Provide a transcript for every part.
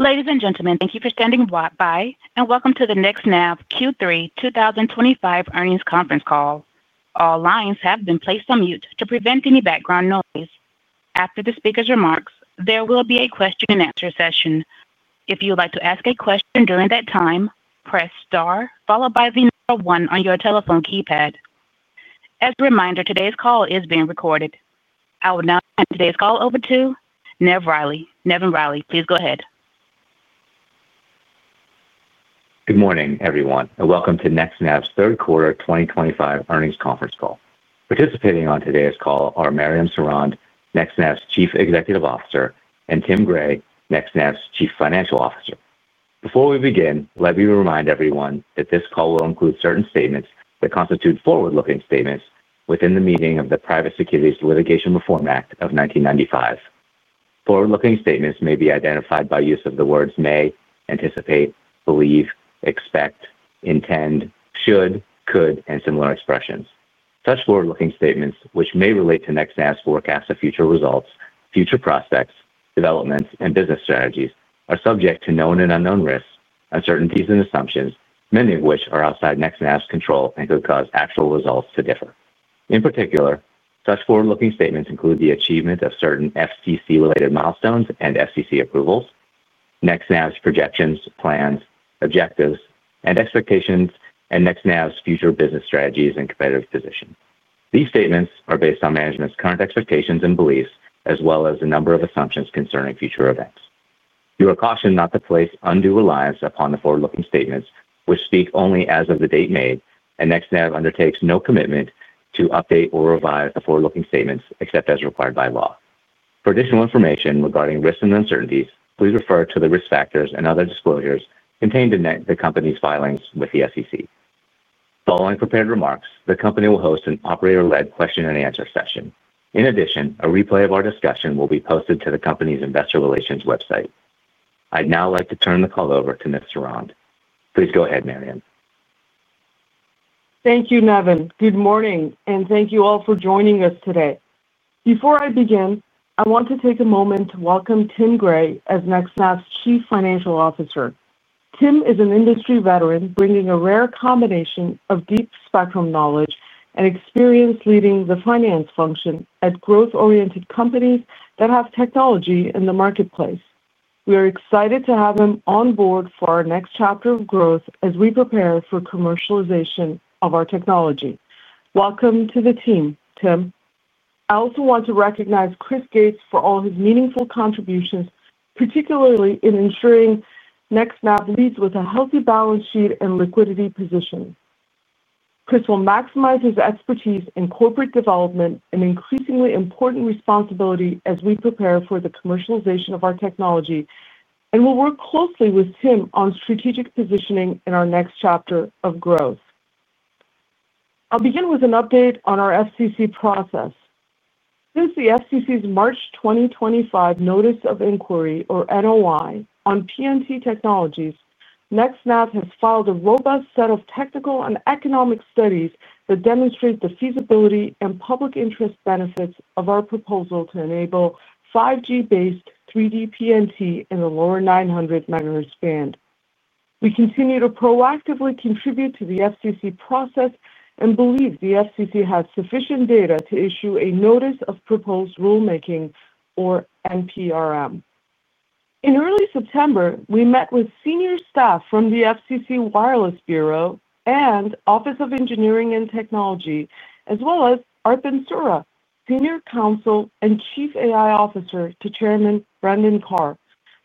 Ladies and gentlemen, thank you for standing by, and Welcome to The NextNav Q3 2025 Earnings Conference Call. All lines have been placed on mute to prevent any background noise. After the speaker's remarks, there will be a question-and-answer session. If you would like to ask a question during that time, press star followed by the number one on your telephone keypad. As a reminder, today's call is being recorded. I will now turn today's call over to Nev Reilly. Nevin Reilly, please go ahead. Good morning, everyone, and Welcome to NextNav's Third Quarter 2025 Earnings Conference Call. Participating on today's call are Mariam Sorond, NextNav's Chief Executive Officer, and Tim Gray, NextNav's Chief Financial Officer. Before we begin, let me remind everyone that this call will include certain statements that constitute forward-looking statements within the meaning of the Private Securities Litigation Reform Act of 1995. Forward-looking statements may be identified by use of the words may, anticipate, believe, expect, intend, should, could, and similar expressions. Such forward-looking statements, which may relate to NextNav's forecast of future results, future prospects, developments, and business strategies, are subject to known and unknown risks, uncertainties, and assumptions, many of which are outside NextNav's control and could cause actual results to differ. In particular. Such forward-looking statements include the achievement of certain FCC-related milestones and FCC approvals, NextNav's projections, plans, objectives, and expectations, and NextNav's future business strategies and competitive position. These statements are based on management's current expectations and beliefs, as well as a number of assumptions concerning future events. You are cautioned not to place undue reliance upon the forward-looking statements, which speak only as of the date made, and NextNav undertakes no commitment to update or revise the forward-looking statements except as required by law. For additional information regarding risks and uncertainties, please refer to the risk factors and other disclosures contained in the company's filings with the SEC. Following prepared remarks, the Company will host an operator-led question-and-answer session. In addition, a replay of our discussion will be posted to the company's Investor Relations website. I'd now like to turn the call over to Ms. Sorond. Please go ahead, Mariam. Thank you, Nevin. Good morning, and thank you all for joining us today. Before I begin, I want to take a moment to welcome Tim Gray as NextNav's Chief Financial Officer. Tim is an industry veteran bringing a rare combination of deep spectrum knowledge and experience leading the finance function at growth-oriented companies that have technology in the marketplace. We are excited to have him on board for our next chapter of growth as we prepare for commercialization of our technology. Welcome to the team, Tim. I also want to recognize Chris Gates for all his meaningful contributions, particularly in ensuring NextNav leads with a healthy balance sheet and liquidity position. Chris will maximize his expertise in corporate development and increasingly important responsibility as we prepare for the commercialization of our technology and will work closely with Tim on strategic positioning in our next chapter of growth. I'll begin with an update on our FCC process. Since the FCC's March 2025 Notice of Inquiry, or NOI, on PNT technologies, NextNav has filed a robust set of technical and economic studies that demonstrate the feasibility and public interest benefits of our proposal to enable 5G-based 3D PNT in the lower 900 MHz band. We continue to proactively contribute to the FCC process and believe the FCC has sufficient data to issue a Notice of Proposed Rulemaking, or NPRM. In early September, we met with senior staff from the FCC Wireless Bureau and Office of Engineering and Technology, as well as Arp and Sura, Senior Counsel and Chief A.I. Officer to Chairman Brendan Carr,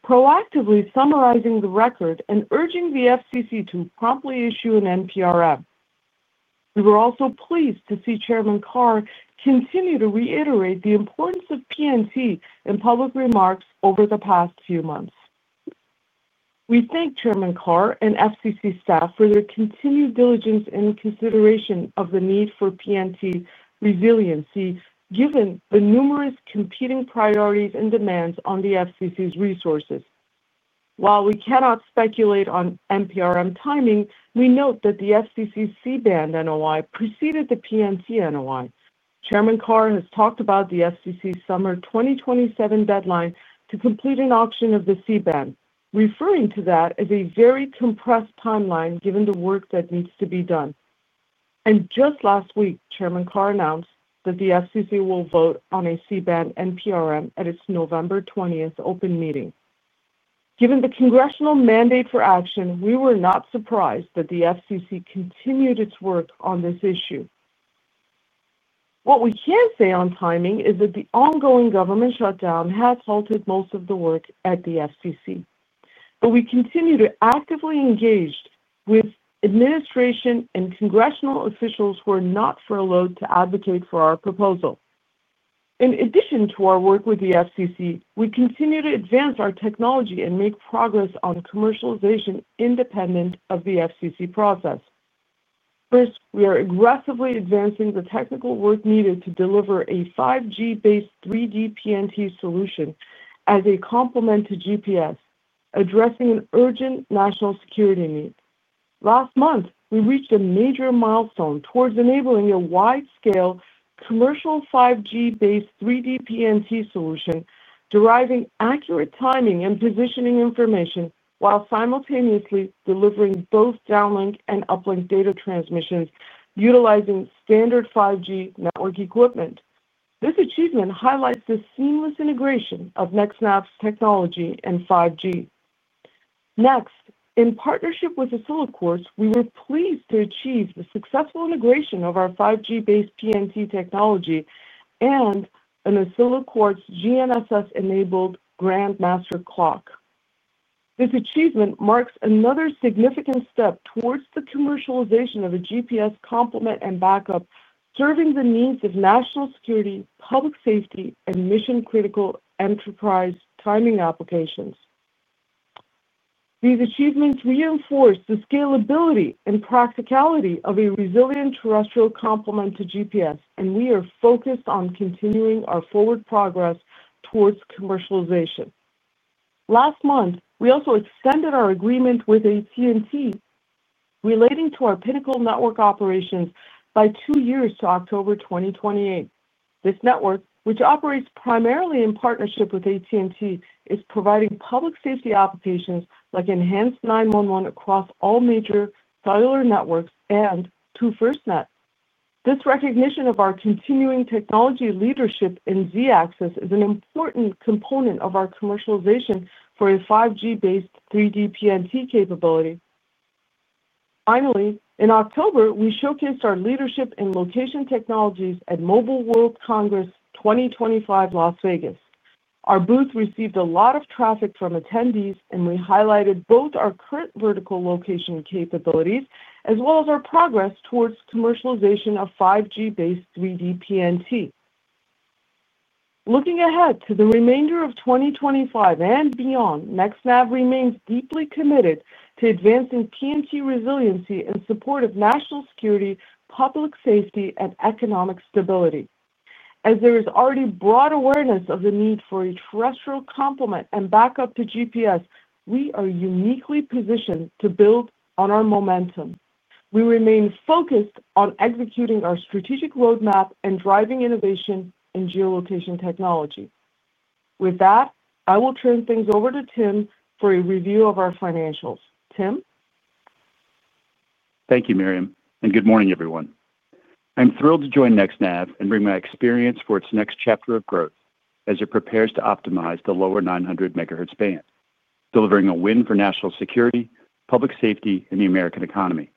proactively summarizing the record and urging the FCC to promptly issue an NPRM. We were also pleased to see Chairman Carr continue to reiterate the importance of PNT in public remarks over the past few months. We thank Chairman Carr and FCC staff for their continued diligence and consideration of the need for PNT resiliency, given the numerous competing priorities and demands on the FCC's resources. While we cannot speculate on NPRM timing, we note that the FCC C-Band NOI preceded the PNT NOI. Chairman Carr has talked about the FCC's summer 2027 deadline to complete an auction of the C-Band, referring to that as a very compressed timeline given the work that needs to be done. Just last week, Chairman Carr announced that the FCC will vote on a C-Band NPRM at its November 20th Open Meeting. Given the congressional mandate for action, we were not surprised that the FCC continued its work on this issue. What we can say on timing is that the ongoing government shutdown has halted most of the work at the FCC, but we continue to actively engage with administration and congressional officials who are not furloughed to advocate for our proposal. In addition to our work with the FCC, we continue to advance our technology and make progress on commercialization independent of the FCC process. First, we are aggressively advancing the technical work needed to deliver a 5G-based 3D PNT solution as a complement to GPS, addressing an urgent national security need. Last month, we reached a major milestone towards enabling a wide-scale commercial 5G-based 3D PNT solution, deriving accurate timing and positioning information while simultaneously delivering both downlink and uplink data transmissions utilizing standard 5G network equipment. This achievement highlights the seamless integration of NextNav's technology and 5G. Next, in partnership with Oscilloquartz, we were pleased to achieve the successful integration of our 5G-based PNT technology and an Oscilloquartz GNSS-enabled Grandmaster Clock. This achievement marks another significant step towards the commercialization of a GPS complement and backup, serving the needs of national security, public safety, and mission-critical enterprise timing applications. These achievements reinforce the scalability and practicality of a resilient terrestrial complement to GPS, and we are focused on continuing our forward progress towards commercialization. Last month, we also extended our agreement with AT&T relating to our Pinnacle Network operations by two years to October 2028. This network, which operates primarily in partnership with AT&T, is providing public safety applications like Enhanced 911 across all major cellular networks and to FirstNet. This recognition of our continuing technology leadership in Z-axis is an important component of our commercialization for a 5G-based 3D PNT capability. Finally, in October, we showcased our leadership in location technologies at Mobile World Congress 2025, Las Vegas. Our booth received a lot of traffic from attendees, and we highlighted both our current vertical location capabilities as well as our progress towards commercialization of 5G-based 3D PNT. Looking ahead to the remainder of 2025 and beyond, NextNav remains deeply committed to advancing PNT resiliency in support of national security, public safety, and economic stability. As there is already broad awareness of the need for a terrestrial complement and backup to GPS, we are uniquely positioned to build on our momentum. We remain focused on executing our strategic roadmap and driving innovation in geolocation technology. With that, I will turn things over to Tim for a review of our financials. Tim? Thank you, Mariam, and good morning, everyone. I'm thrilled to join NextNav and bring my experience for its next chapter of growth as it prepares to optimize the lower 900 MHz band, delivering a win for national security, public safety, and the American Economy.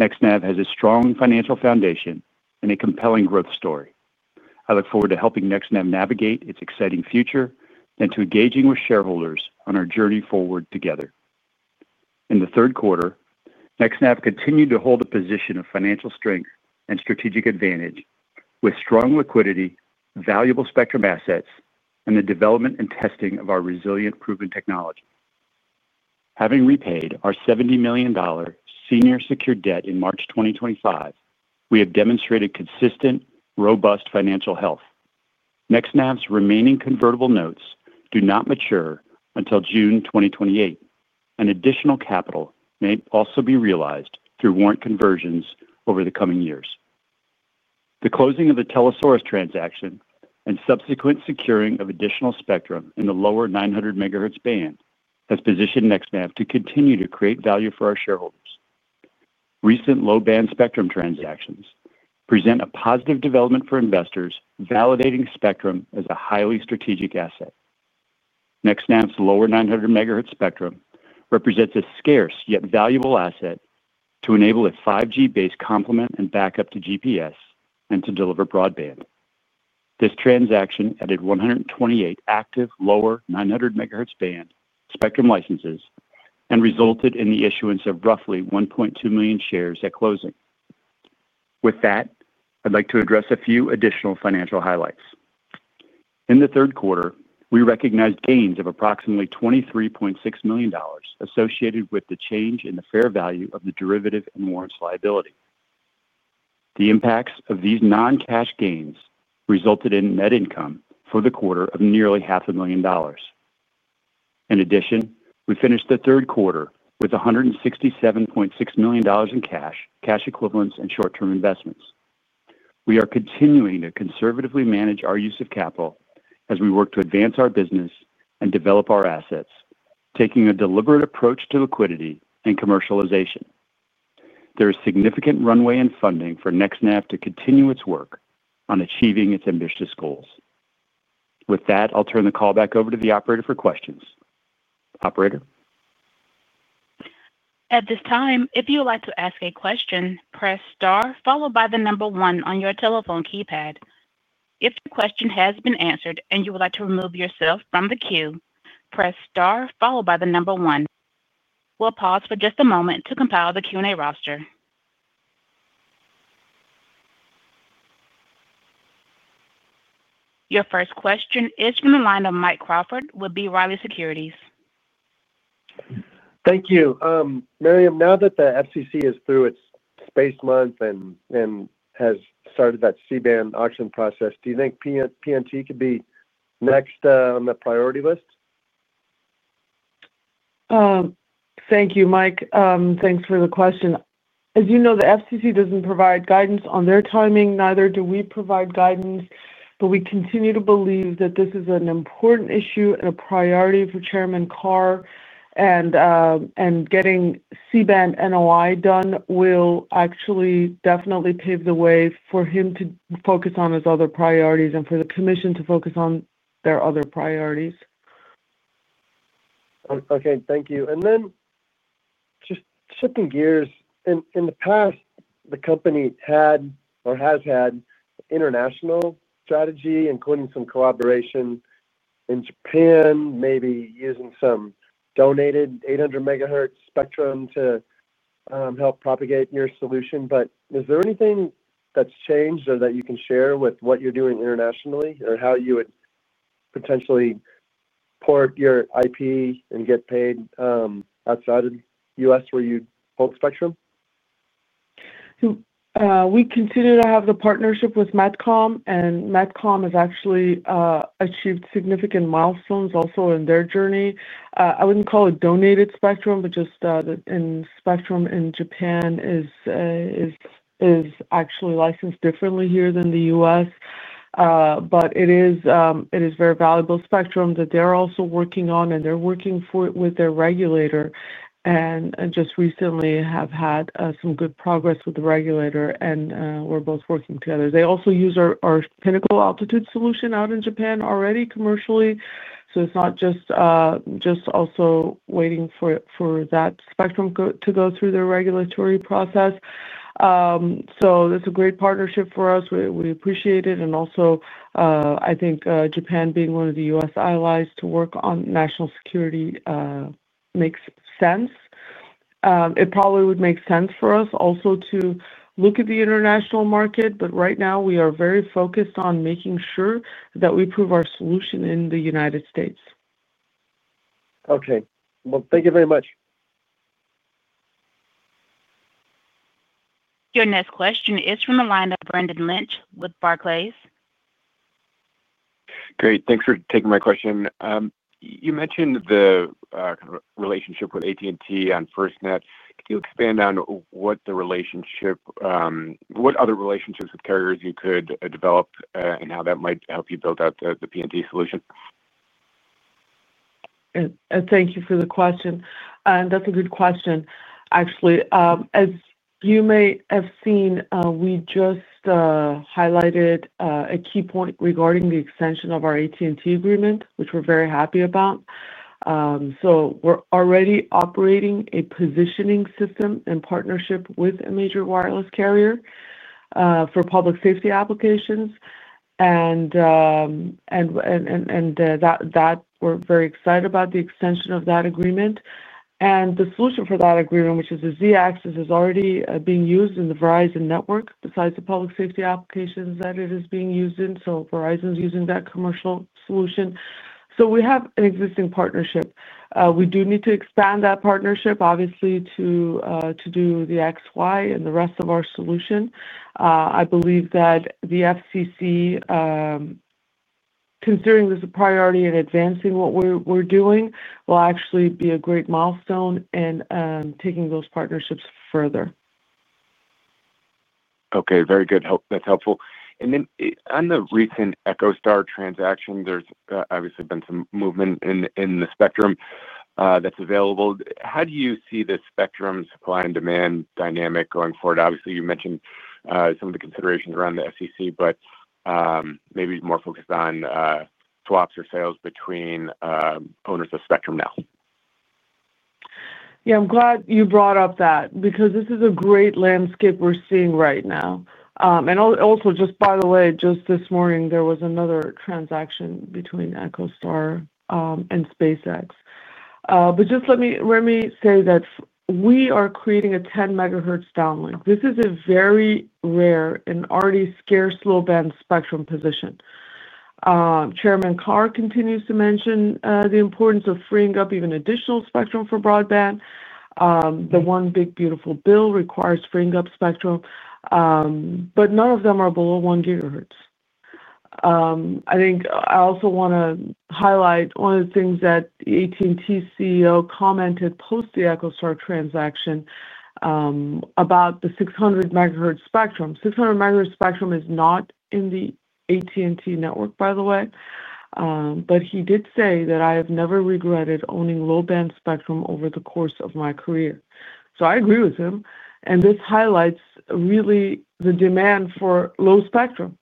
NextNav has a strong financial foundation and a compelling growth story. I look forward to helping NextNav navigate its exciting future and to engaging with shareholders on our journey forward together. In the third quarter, NextNav continued to hold a position of financial strength and strategic advantage with strong liquidity, valuable spectrum assets, and the development and testing of our resilient proven technology. Having repaid our $70 million Senior Secured Debt in March 2025, we have demonstrated consistent, robust financial health. NextNav's remaining convertible notes do not mature until June 2028, and additional capital may also be realized through warrant conversions over the coming years. The closing of the Telesaurus transaction and subsequent securing of additional spectrum in the lower 900 MHz band has positioned NextNav to continue to create value for our shareholders. Recent low-band spectrum transactions present a positive development for investors, validating spectrum as a highly strategic asset. NextNav's lower 900 MHz spectrum represents a scarce yet valuable asset to enable a 5G-based complement and backup to GPS and to deliver broadband. This transaction added 128 active lower 900 MHz band spectrum licenses and resulted in the issuance of roughly 1.2 million shares at closing. With that, I'd like to address a few additional financial highlights. In the third quarter, we recognized gains of approximately $23.6 million associated with the change in the fair value of the Derivative and Warrants Liability. The impacts of these non-cash gains resulted in net income for the quarter of nearly $500,000. In addition, we finished the third quarter with $167.6 million in cash, cash equivalents, and short-term investments. We are continuing to conservatively manage our use of capital as we work to advance our business and develop our assets, taking a deliberate approach to liquidity and commercialization. There is significant runway and funding for NextNav to continue its work on achieving its ambitious goals. With that, I'll turn the call back over to the operator for questions. Operator? At this time, if you would like to ask a question, press star followed by the number one on your telephone keypad. If the question has been answered and you would like to remove yourself from the queue, press star followed by the number one. We'll pause for just a moment to compile the Q&A Roster. Your first question is from the line of Mike Crawford with B. Riley Securities. Thank you. Mariam, now that the FCC is through its space month and has started that C-Band auction process, do you think PNT could be next on the priority list? Thank you, Mike. Thanks for the question. As you know, the FCC does not provide guidance on their timing. Neither do we provide guidance, but we continue to believe that this is an important issue and a priority for Chairman Carr, and getting C-Band NOI done will actually definitely pave the way for him to focus on his other priorities and for the Commission to focus on their other priorities. Okay. Thank you. Just shifting gears, in the past, the Company had or has had an international strategy, including some collaboration in Japan, maybe using some donated 800 MHz spectrum to help propagate your solution. Is there anything that's changed or that you can share with what you're doing internationally or how you would potentially port your IP and get paid outside of the U.S. where you hold spectrum? We continue to have the partnership with MetCom, and MetCom has actually achieved significant milestones also in their journey. I would not call it donated spectrum, but just. In spectrum in Japan is. Actually licensed differently here than the U.S. but it is very valuable spectrum that they are also working on, and they are working with their regulator and just recently have had some good progress with the regulator, and we are both working together. They also use our Pinnacle Altitude Solution out in Japan already commercially, so it is not just. Also waiting for that spectrum to go through their regulatory process. That is a great partnership for us. We appreciate it. I think Japan being one of the U.S. Allies to work on national security makes sense. It probably would make sense for us also to look at the international market, but right now, we are very focused on making sure that we prove our solution in the U.S. Okay. Thank you very much. Your next question is from the line of Brendan Lynch with Barclays. Great. Thanks for taking my question. You mentioned the kind of relationship with AT&T and FirstNet. Can you expand on what the relationship is? What other relationships with carriers you could develop and how that might help you build out the PNT solution? Thank you for the question. That is a good question, actually. As you may have seen, we just highlighted a key point regarding the extension of our AT&T agreement, which we are very happy about. We are already operating a positioning system in partnership with a major wireless carrier for public safety applications. We are very excited about the extension of that agreement. The solution for that agreement, which is a Z-axis, is already being used in the Verizon network besides the public safety applications that it is being used in. Verizon is using that commercial solution. We have an existing partnership. We do need to expand that partnership, obviously, to do the XY and the rest of our solution. I believe that the FCC considering this a priority and advancing what we are doing will actually be a great milestone in taking those partnerships further. Okay. Very good. That's helpful. And then on the recent EchoStar transaction, there's obviously been some movement in the spectrum that's available. How do you see the spectrum's supply and demand dynamic going forward? Obviously, you mentioned some of the considerations around the FCC, but maybe more focused on swaps or sales between owners of spectrum now? Yeah. I'm glad you brought up that because this is a great landscape we're seeing right now. Also, just by the way, just this morning, there was another transaction between EchoStar and SpaceX. Just let me say that we are creating a 10-MHz downlink. This is a very rare and already scarce low-band spectrum position. Chairman Carr continues to mention the importance of freeing up even additional spectrum for broadband. The one big, beautiful bill requires freeing up spectrum. None of them are below 1 GHz. I think I also want to highlight one of the things that the AT&T CEO commented post the EchoStar transaction. About the 600 MHz spectrum. 600 MHz spectrum is not in the AT&T network, by the way. He did say that I have never regretted owning low-band spectrum over the course of my career. I agree with him. This highlights really the demand for low spectrum.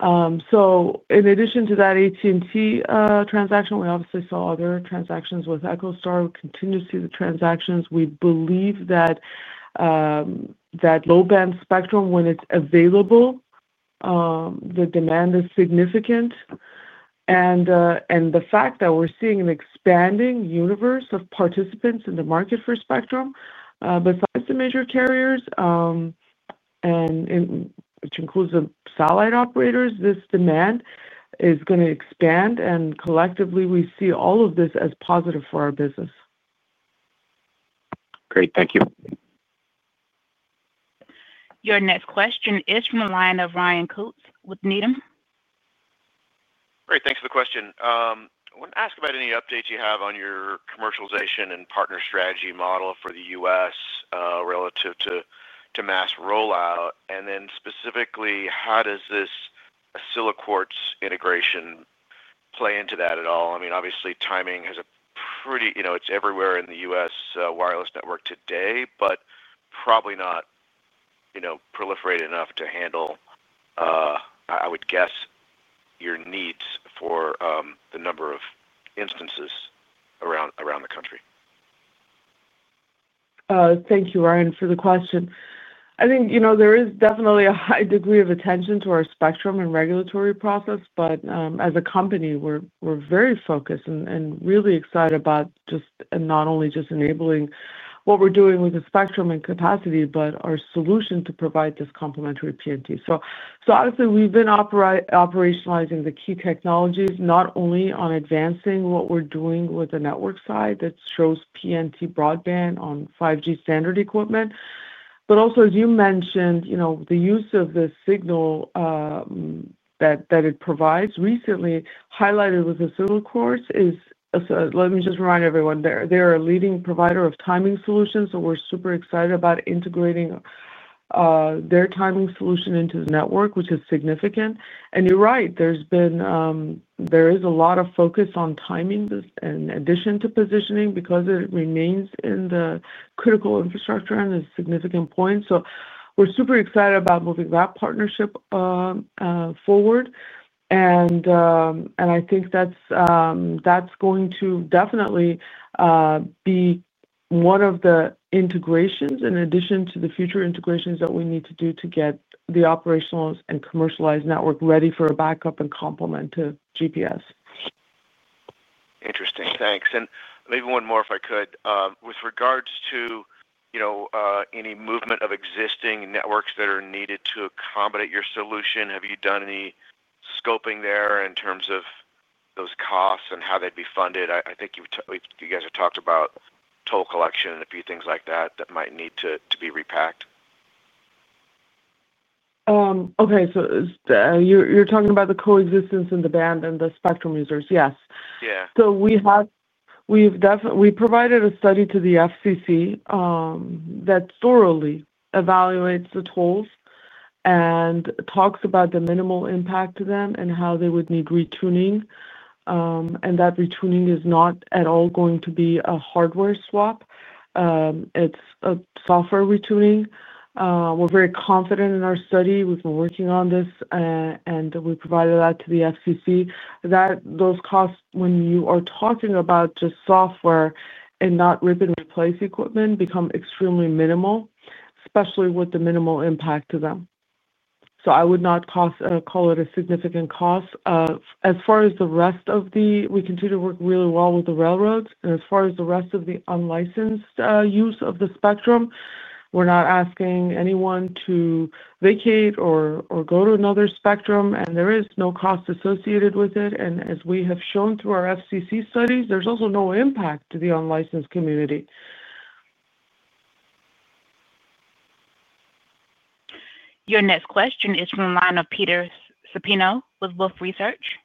In addition to that AT&T transaction, we obviously saw other transactions with EchoStar. We continue to see the transactions. We believe that low-band spectrum, when it's available, the demand is significant. The fact that we're seeing an expanding universe of participants in the market for spectrum besides the major carriers, which includes the satellite operators, this demand is going to expand. Collectively, we see all of this as positive for our business. Great. Thank you. Your next question is from the line of Ryan Coates with Needham. Great. Thanks for the question. I want to ask about any updates you have on your commercialization and partner strategy model for the U.S. relative to mass rollout. Then specifically, how does this Oscilloquartz integration play into that at all? I mean, obviously, timing has a pretty—it's everywhere in the U.S. wireless network today, but probably not proliferated enough to handle, I would guess, your needs for the number of instances around the country. Thank you, Ryan, for the question. I think there is definitely a high degree of attention to our spectrum and regulatory process, but as a company, we're very focused and really excited about just not only just enabling what we're doing with the spectrum and capacity, but our solution to provide this complementary PNT. Obviously, we've been operationalizing the key technologies, not only on advancing what we're doing with the network side that shows PNT broadband on 5G standard equipment, but also, as you mentioned, the use of the signal. That it provides recently highlighted with the SiTime is—let me just remind everyone—they're a leading provider of timing solutions, so we're super excited about integrating their timing solution into the network, which is significant. And you're right. There is a lot of focus on timing in addition to positioning because it remains in the critical infrastructure and is a significant point. We are super excited about moving that partnership forward. I think that is going to definitely be one of the integrations in addition to the future integrations that we need to do to get the operational and commercialized network ready for a backup and complement to GPS. Interesting. Thanks. Maybe one more if I could. With regards to any movement of existing networks that are needed to accommodate your solution, have you done any scoping there in terms of those costs and how they'd be funded? I think you guys have talked about toll collection and a few things like that that might need to be repacked. Okay. So. You're talking about the coexistence in the band and the spectrum users? Yes. We've provided a study to the FCC that thoroughly evaluates the tolls and talks about the minimal impact to them and how they would need retuning. That retuning is not at all going to be a hardware swap. It's a software retuning. We're very confident in our study. We've been working on this, and we provided that to the FCC. Those costs, when you are talking about just software and not rip-and-replace equipment, become extremely minimal, especially with the minimal impact to them. I would not call it a significant cost. As far as the rest of the—we continue to work really well with the Railroads. As far as the rest of the unlicensed use of the spectrum, we're not asking anyone to vacate or go to another spectrum, and there is no cost associated with it. As we have shown through our FCC studies, there is also no impact to the unlicensed community. Your next question is from the line of Peter Supino with Wolf Research.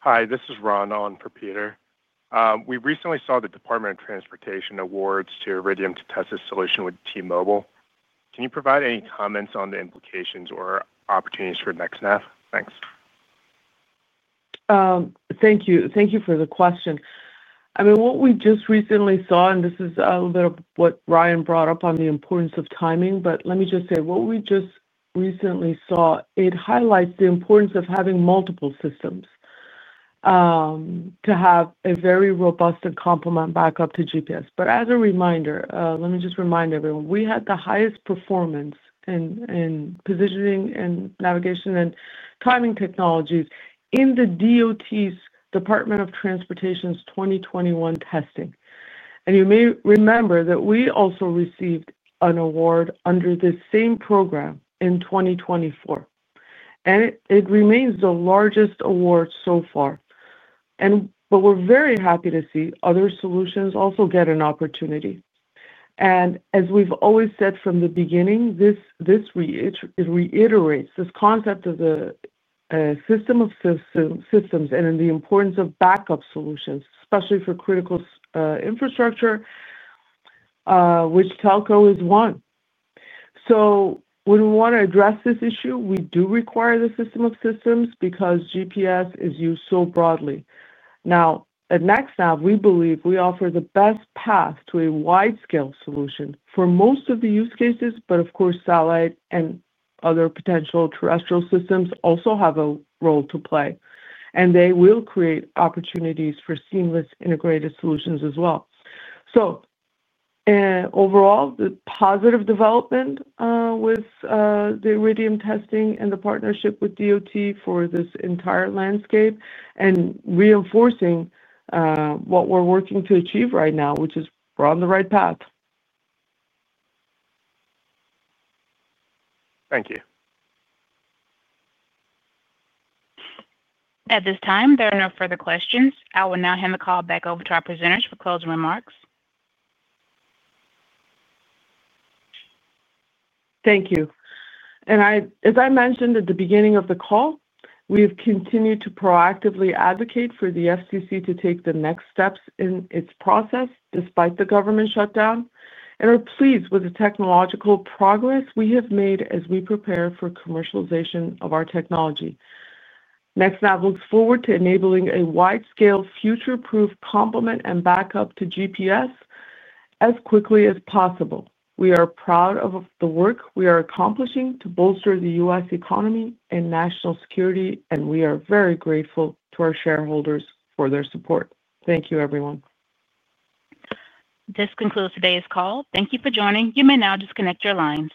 Hi. This is Ron Owen for Peter. We recently saw the Department of Transportation awards to Iridium to test its solution with T-Mobile. Can you provide any comments on the implications or opportunities for NextNav? Thanks. Thank you. Thank you for the question. I mean, what we just recently saw, and this is a little bit of what Ryan brought up on the importance of timing, but let me just say, what we just recently saw, it highlights the importance of having multiple systems. To have a very robust and complement backup to GPS. As a reminder, let me just remind everyone, we had the highest performance in Positioning, Navigation and Timing Technologies in the Department of Transportation's 2021 testing. You may remember that we also received an award under the same program in 2024. It remains the largest award so far. We are very happy to see other solutions also get an opportunity. As we have always said from the beginning, this reiterates this concept of the system of systems and the importance of backup solutions, especially for critical infrastructure. Which telco is one. When we want to address this issue, we do require the system of systems because GPS is used so broadly. At NextNav, we believe we offer the best path to a wide-scale solution for most of the use cases, but of course, satellite and other potential terrestrial systems also have a role to play. They will create opportunities for seamless integrated solutions as well. Overall, the positive development with the Iridium testing and the partnership with DOT for this entire landscape is reinforcing what we are working to achieve right now, which is we are on the right path. Thank you. At this time, there are no further questions. I will now hand the call back over to our presenters for closing remarks. Thank you. As I mentioned at the beginning of the call, we have continued to proactively advocate for the FCC to take the next steps in its process despite the government shutdown and are pleased with the technological progress we have made as we prepare for commercialization of our technology. NextNav looks forward to enabling a wide-scale future-proof complement and backup to GPS as quickly as possible. We are proud of the work we are accomplishing to bolster the U.S. economy and national security, and we are very grateful to our shareholders for their support. Thank you, everyone. This concludes today's call. Thank you for joining. You may now disconnect your lines.